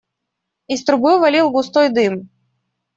Из трубы валил густой дым.